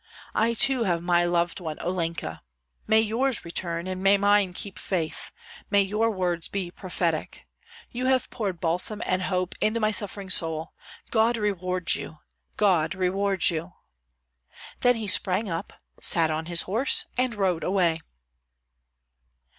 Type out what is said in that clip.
I too have my loved one, Olenka. May yours return, and may mine keep faith. May your words be prophetic. You have poured balsam and hope into my suffering soul, God reward you, God reward you!" Then he sprang up, sat on his horse, and rode away.